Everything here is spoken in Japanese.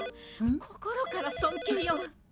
心から尊敬よ。